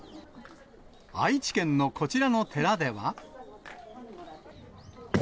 愛知県のこちらの寺では。